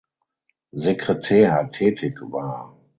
Sekretär tätig war.